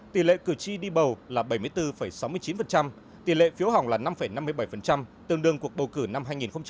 tỷ lệ cử tri đi bầu là bảy mươi bốn sáu mươi chín tỷ lệ phiếu hỏng là năm năm mươi bảy tương đương cuộc bầu cử năm hai nghìn một mươi sáu